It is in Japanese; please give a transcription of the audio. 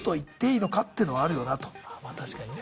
まあ確かにね。